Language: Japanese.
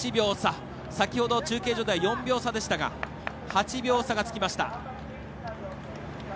先ほど中継所では４秒差でしたが８秒差がつきました。